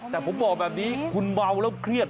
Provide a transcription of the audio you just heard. แต่ผมบอกแบบนี้คุณเมาแล้วเครียด